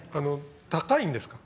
高いんですか？